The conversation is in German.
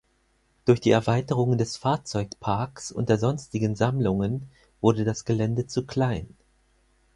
Durch die Erweiterungen des Fahrzeugparks und der sonstigen Sammlungen wurde das Gelände zu klein.